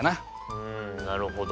うんなるほど。